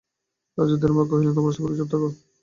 রাজা দৃঢ়স্বরে কহিলেন, তোমারা সকলে চুপ করো।